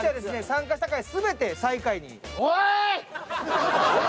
参加した回全て最下位に。